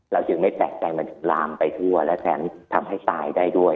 เราจึงไม่แตกแต่มันลามไปทั่วและแทนทำให้ตายได้ด้วย